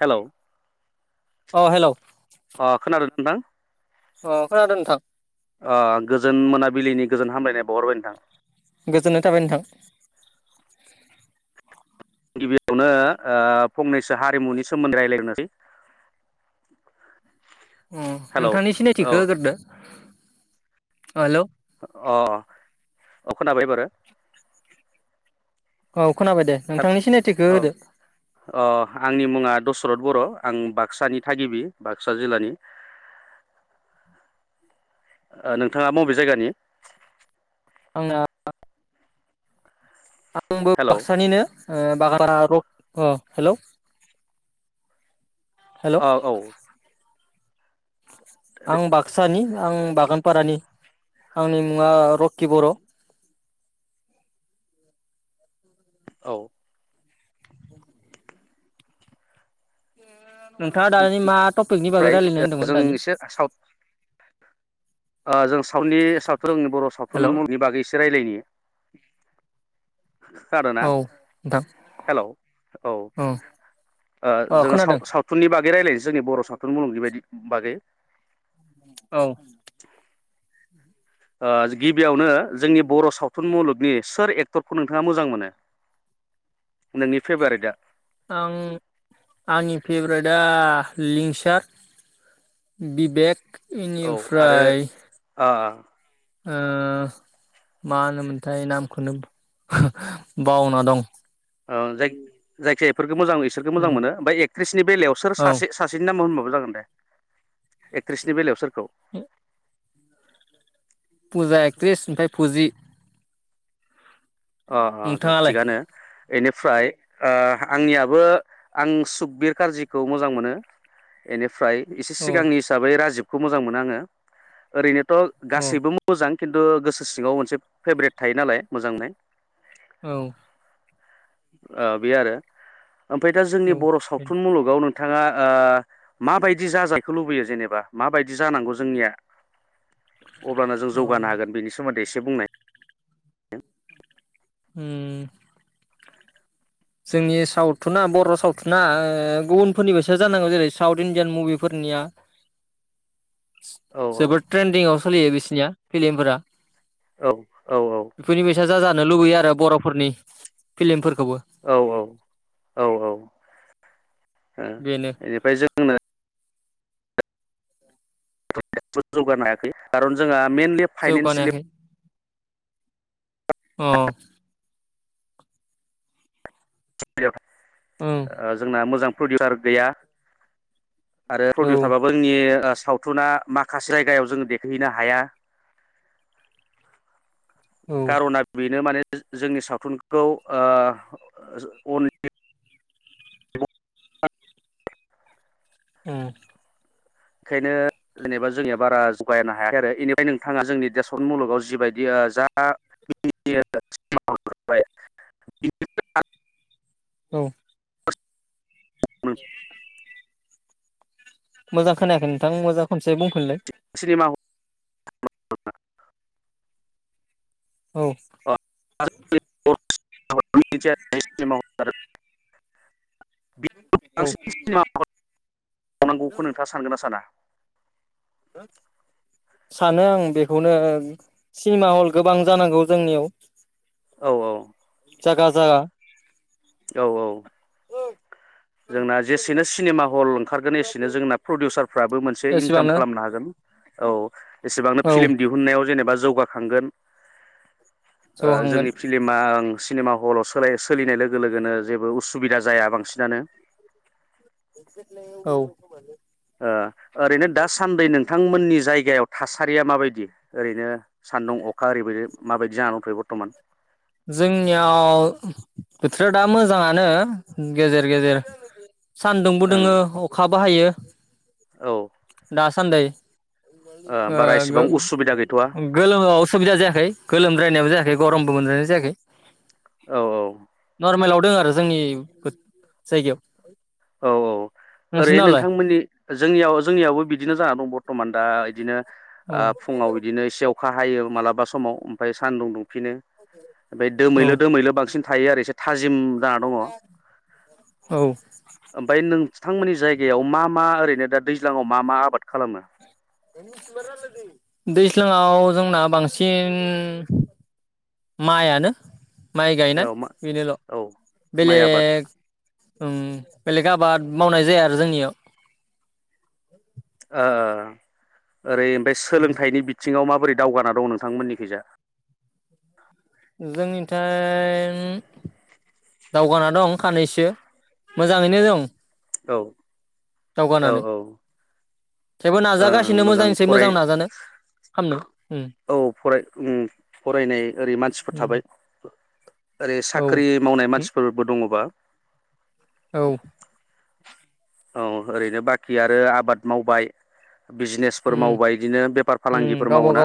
Hello उह hello अ खोनादों नोंथां अ खोनादो नोंथां अह गोजोन मोनाबिलिनि गोजोन हामलायनाय बाउहरबाय नोंथां गोजोननाय थाबाय नोंथां। गिबियावनो ओ फंनैसो हारिमुनि सोमोन्दै रायलायनोसै अह नोंथांनि सिनायथिखौ होगोरदो ओ लौ अह औ खोनाबाय एबारो औ खोनाबाय दे नोंथांनि सिनायथिखौ [unintelligible] औ होदो अह आंनि मुङा दसरथ बर आं बाक्सानि थागिबि बाक्सा जिल्लानि नोंथाङा बबे जायगानि आंना आंबो हेलौ बाक्सानिनो [unintelligible] रड अह हेलौ हेलौ अ औ आं बाक्सा नि आं बागानपारानि आंनि मुङा रक्कि बर' औ नोंथाङा दानि मा टपिकनि बागै ओमफ्राय रायलायनो होनदोंमोन जों दानि एसे आ जों सावनि सावथुन [unintelligible] बर सावथुन हेलौ मुलुगनि बागै एसे रायज्लायनि। [inaudible] खोनादोना औ नोंथां हेलौ औ ओ अ जोङो खोनादों साव-सावथुननि बागै रायलायनोसै जोंनि बर'सावथुन मुलुगनि बायदि बागै औ ओ गिबियावनो जोंनि बर' सावथुन मुलुगनि सोर एक्टरखौ नोंथाङा मोजां मोनो नोंनि फेभारेटआ आं आंनि फेभरेटआ लिंसार बिबेक औ आरो इनिफ्राय ओ ओ मा होनोमोनथाय नामखौनो बावना दं। ओ जाय-जायखि एफोर मोजां बिसोरखौ मोजां उम मोनो ओमफ्राम एकट्रिसनि बेलायाव सोर औ सासे सासेनि नाम जागोन दे एकट्रिच नि बेलायाव सोरखौ [inaudible] फुजा एकथ्रिस ओमफ्राय फुजि अ अ र नोंथाङालाय थिगानो। ऐनिफ्राय ओ आंनियाबो आं सुकबिर कारजिखौ मोजां मोनो ऐनिफ्राय एसे औ सिगांनि हिसाबै राजिब खौ मोजां मोनाआङो ओरैनो थ औ गाससिबो मोजां खिन्थु गोसो सिङाव मोनसे फेब्रट थायो नालाय मोजां मोननाय। औ ओ बे आरो ओमफ्राय दा जोंनि औ बर' सावथुन मुलुगाव नों नोंथाङा ओ माबायदि जाजाखौ लुबैयो जेनेबा माबायदि जानांगौ जोंनिया अब्लानो जों अ जौगानो हागोन बेनि सोमोन्दै एसे बुंनाय उम जोंनि सावथुना बर' सावथुना ओ गुबुनफोरनिबायसा जानांगौ जेरै साउथ इण्डियान मुभिफोरनिया औ जोबोद ट्रेन्दिं आव सोलियो बिसनिया फिलिमफोरा औ औ औ जा जानो लुबैयो आरो बर'फोरनि फिलिमफोरखौबो औ औ औ औ ओ बेनो बेनिफ्राय जोंनो जौगानो हायाखै खारन जोंहा मेइेनलि फाइनन्सियेलि जौगानायाखै अ [unintelligible] ओं ओ जोंना मोजां प्रडिउटार गैया। आरो औ प्रडिउ थाबाबो नि ओ सावथुना माखासे जायगायाव जोङो देखहहैनो हाया। औ कारना बेनो माने जोंनि सावथुनखौ ओ अन [inaudible] ओ बेखायनो जेनेबा जोंनिया बारा जगायानो हायाखै आरो बेनिफ्राय नोंथाङा जोंनि देरशन मुलुगाव जिबायदि ओ जा [unintelligible] औ [inaudible] मोजां खोनायाखै नोंथां मोजां खनसे बुंफिनलाय। सिनेमा ह औ [unintelligible] [unintelligible] [unintelligible] औ बांसिन सिनिमा हल थानांगौखौ नोंथाङा सानगोन ना साना? सानो आं बेखौनो सिनेमा हल गोबां जानांगौ जोंनियाव औ औ जागा जागा। औ औ गैया जोंना जेसेनो सिनेमा हल ओंखारगोन एसेनो जोंना प्रडिउसार फ्रबो मोनसे इनकाम एसेबांनो खालामनो हागोन। औ एसेबांनो औ फिलम दिहुननायाव जेनेबा जौगाखांगोन। ओ जौगाखांगोन जोंनि फिल्मा ओं सिनेमा हलाव सोलाय सोलिनाय लोगो लोगोनो जेबो उसुबिदा जाया बांसिनानो। औ ओ ओरैनो दासान्दि नोंथां मोननि जायगायाव थासारिया माबायदि ओरैनो सान्दुं अख अखा ओरैबायदि माबायदि जाना दंथ'यो बर बरथ'मान? जोंनियाव बोथोरा दा मोजाङानो गेजेर गेजेर सान्दुंबो ओं दोङो अखाबो हायो। औ दासान्दै ओ बारा एसेबां उसुबिदा गैथ'वा गो-गोलोमाव उसुबिदा जायाखै गोलोमद्रायनायबो जायाखै। गरमबो मोनद्रायनाय जा जायाखै। औ औ फोरमायलावदों आरो जोंनि फो जायगायाव। औ औ ओरैनो नोंसोरनालाय नोंथांमोननि जोंनियाव जोंनियावबो बिदिनो जाना दं बरथ'मान दा इदिनो। औ ओ फुङाव गदिनो इसे अ अखा हायो मालाबा समाव ओमफाय सान्दुं दुं फिनो ओमफाय औ दोमैलु दोमैलु बांसिन थायो आरो एसे थाजिम जाना दङ औ ओमफाय नोंथांमोननि जायगायाव मा मा ओरैनो दा दैज्लाङाव मा मा आबाद खालामो? दैज्लांआव जोंना बांसिन माइआनो। माइ गायनाय औ मा बेनोल' औ माइ आबाद बेलेग ओं बेलेग आबाद मावनाय जाया आरो जोंनियाव। ओ ओरै ओमफाय सोलोंथाइनि बिथ थिङाव माबोरै दावगाना दं नोंथांमोननिखैजा? जोंनिथाय दावगाना दं खानैैसो मोजाङैनो दं। औ औ औ थेबो नाजागासिनो ओं मोजांनिसाय फराय मोजां नाजानो खामनो। उम औ फराय ओम फरायनाय ओरै मानसिफोर उम थाबाय ओरै औ साख्रि मावनाय उम मानसिफोरबो दङबा? औ औ ओरैनो बाखि आरो आबाद मावबाय। बिजनेसफोर उम मावबाय इदिनो बेफार फालांगिफोर मावोना?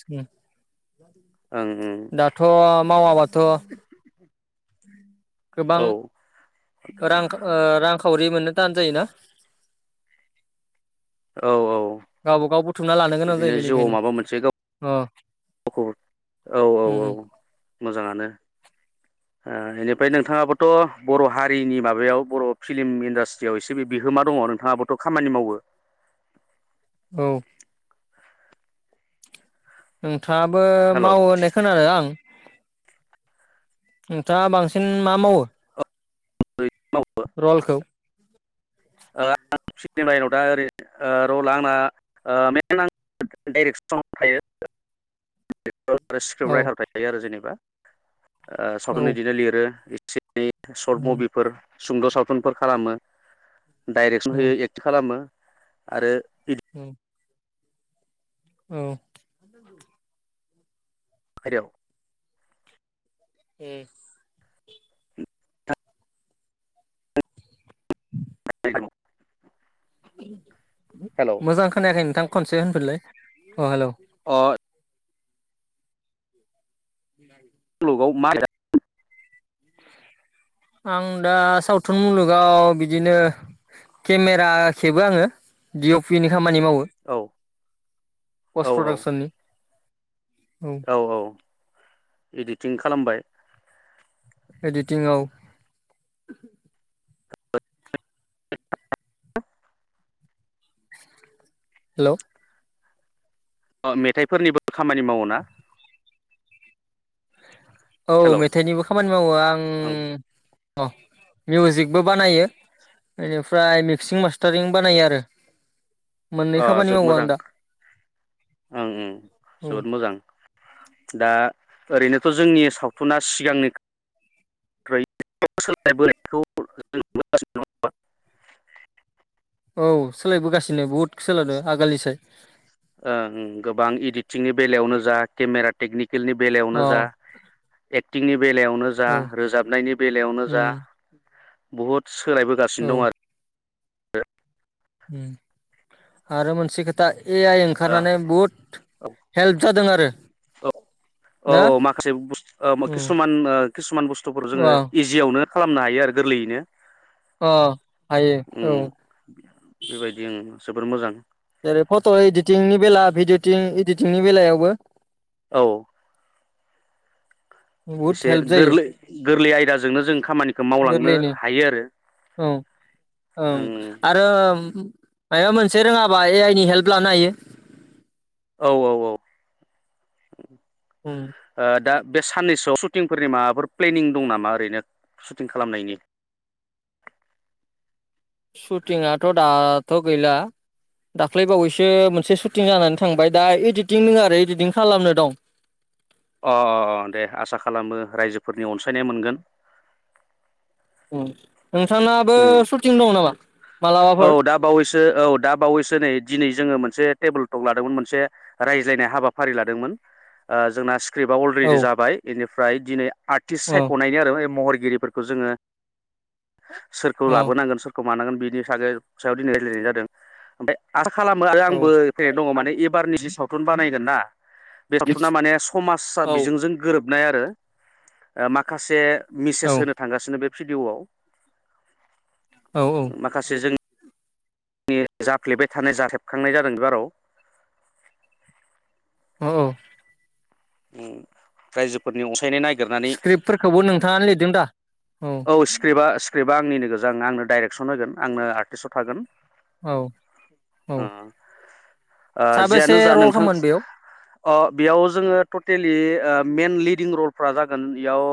ओम ओं दाथ' मावाबाद थ' [unintelligible] गोबां ओं रांक ओ रांक सावरि मोननो थान जायोना औ औ औ गावबागाव बुथुमना लानो गोनां जायो बिदिनो जिउआव बेनिखायनो माबा मोनसे गाव अ गावखौ औ औ औ उम मोजाङानो ओ इनिफ्राय नोंथाङाबोथ बर हारिनि माबायाव बर फिल्म इन्डास्ट्रियाव एसे बिहोमा दङ नोंथाङाबोथ खामानि मावो औ ओम थाङाबो हेलौ मावो होननाय खोनादों आं नोंथाङा बांसिन मा मावो रलखौ [unintelligible] लायेनाव दा ओरै ओ रला आंना ओ मेन आं डाइरेक्सन थायो औ स्क्रिप्ट राइटार थायो आरो जेनेबा ओ औ सावथुन इदिनो लिरो बे सर्ट उम मुभिफोर सुंद सावथुनफोर खालामो डाइरेक्सन औ होयो एक्टिं खालामो आरो औ औ [unintelligible] ए [inaudible] [unintelligible] हेलौ मोजां खोनायाखै नोंथां खनसे होनफिनलाय अ हेलौ अ [inaudible] औ औ [unintelligible] आं दा सावथुन मुलुगाव बिदिनो केमेरा खेबो आङो दि इउ पि नि खाम खामानि मावो औ पस्ट औ प्रदाक्सननि औ औ इडिटिं खालामबाय एडिटिं औ [unintelligible] हेलौ अ मेथाइफोरनिबो खामानि मावो ना औ हेलौ मेथाइनिबो खामानि मावो आं ओं अ मिउजिक बो बानायो इनिफ्राय फ्राय मिक्सिं मास्टारिं बानायो आरो। मोननै अ खामानि जोबोद मावो आं मोजां। दा ओं उम औ जोबोद मोजां। दा ओरैनोथ जोंनि सावथुना सिगांनिफख्रुय सोलाय बोनायखौ नुबोगासिनो दं नङा होमबा? औ सोलायबोगासिनो बुहुद। ओं गोबां इदिटिंनि बेलायावनो जा केमेरा टेकनिक सिकेलनि अ बेलायावनो जा औ थिंनि बेलायावनो जा रोजाबनायनि बेलायावनो जा उम बुहुद औ सोलायबोगासिनो दं आरो। [unintelligible] आरो मोनसे खोथा ए आइ आरो ओंखारनानै बुहुद औ हेल्प जादों आरो। औ औ ना औ माखासे बुस्थुफोर उम किसुमान किसुमान बुस्थुफोर जोङो अ इजियाव खौनो खालामनो हायो आरो गोरलैयैनो। अ हायो उम औ। बेबायदि ओं जोबोर मोजां। जेरै फट' इदिटिंनि बेला भिडटिं इदिटिंनि बेलायावबो औ। बुहुद एसे गोर्लै गोर्लै आयदा जोंनो जों खामानिखौ मावलांनो गोर्लैयनो। हायो आरो औ ओं आरो ओम मायबा मोनसे रोङाबा ए आइ नि हेल्प लानो हायो। औ औ उम [inaudible] ओ दा बे सान्नैसोआव सुटिंफोरनि माबाफोर प्लेनिं दं नामा ओरैनो सुटिं खालामनायनि? सुटिंआथ दाथ गैला दाख्लैबावैसो मोनसे सुटिं जानानै थांबाय दा इदिटिं दोङो आरो इदिटिं खालामनो दं। अ अ अ दे आसा खालामो रायजोफोरनि अनसायनाय मोनगोन। उम। नोंथां नाबो उम सुटिं दं नामा औ मालाबाफोर? दा औ बावैसो दा बावैसो नै दिनै जोङो मोनसे टेबोलटक लादोंमोन मोनसे रायज्लायनाय हाबाफारिखौ लादोंमोन। ओ जोंना स्क्रिपआ औ अलरेडि जाबाय ओमफ्राय दिनै आर्टिस्ट औ सायख नायनि आरो महर गिरिफोरखौ जोङो सोरखौ औ लाबोनांगोन सोरखौ मानांगोन बिदि थागोन बिनि सायाव दिनै रायजलायनाय जादों ओमफ्राय आसा खालामो आरो औ आंबो [unintelligible] दङ माने एबारनि जि साव सावथुन बानायगोन ना बे सावथुना माने समाज सा औ बिजोंजों गोरोब [unintelligible] आरो ओ माखासे। मेसेज होनो थांगासिनो बे भिडिअ आव औ माखासे जों जाफ्लेबाय थानाय [unintelligible] जादों बे बाराव। ओ। रायजोफोरनि अन स्क्रिप्टफोरखौबो नोंथाङानो लिरदों दा औ स्क्रिपबा स्क्रिपबा आंनिनो गोनजा ओं आंनो डाइरेक्सन होगोन आंनो आर्टिस्टआव थागोन औ औ उम उम ओ साबेसे जियानो जा रल नोंथां खालामोन बेयाव ओ बेयाव जोङो टटेलि ओ मेन लिडिं रलफ्रा जागोन बेयाव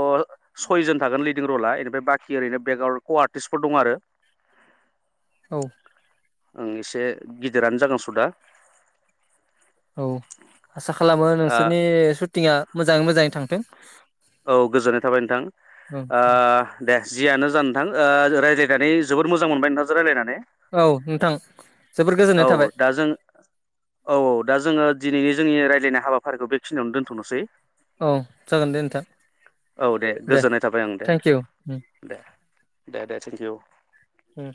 सयजन थागोन लिडिं रला एनेफाय बाखि ओरैनो बेकग्राउन्ड क आर्टिस्टफोर दं आरो औ। आं इसे गिदिरानो जागोन सदा। औ आसा खालामो नोंसोरनि सुटिंआ। मोजाङै मोजाङै थांथों। औ गोजोननाय थाबाय नोंथां ओं ओ दे। जियानो जा नोंथां राय्लायनानै जोबोद मोजां मोनबाय नोंथांजों रायलायनानै। औ नोंथां जोबोर गोजोननाय औ थाबाय दा जों औ औ दा जोङो दिनैनि जोंनि रायज्लायनाय हाबाफारि बेखिनियावनो दोनथनोसै। औ जागोन दे नोंथां। औ दे गोजोननाय थाबाय ओं दे थेंक इउ उम दे। दे दे थेंकिउ। उम।